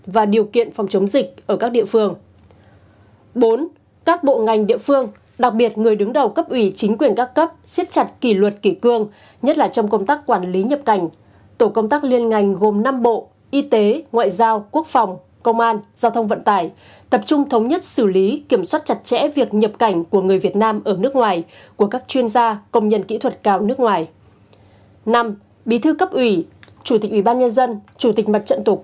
về phòng chống dịch nêu cao trách nhiệm thực hiện đúng chức năng nhiệm vụ và thẩm quyền được giao